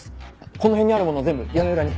この辺にあるもの全部屋根裏に。